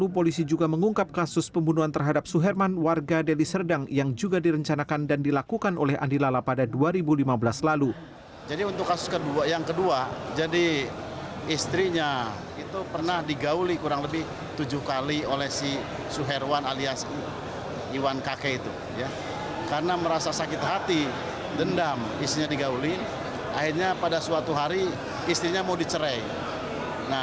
polisi juga mengungkap kasus pembunuhan terhadap andi lala tersangka perencana dan pelaku pembunuhan satu keluarga di medan setelah menangkap andi lala